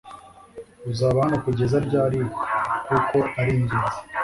Uzaba hano kugeza ryari kuko ari ingenzi